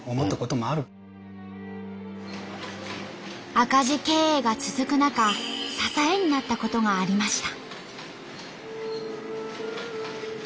赤字経営が続く中支えになったことがありました。